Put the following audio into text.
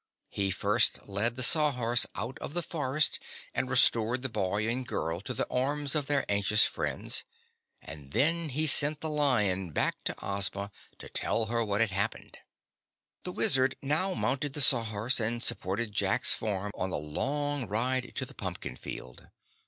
He first led the Sawhorse out of the forest and restored the boy and girl to the arms of their anxious friends, and then he sent the Lion back to Ozma to tell her what had happened. The Wizard now mounted the Sawhorse and supported Jack's form on the long ride to the pumpkin field.